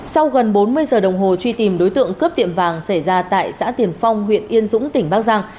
sau gần bốn mươi giờ đồng hồ truy tìm đối tượng cướp tiệm vàng xảy ra tại xã tiền phong huyện yên dũng tỉnh bắc giang